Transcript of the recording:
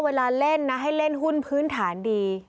เวลาเล่นนะให้เล่นหุ้นพื้นฐานดี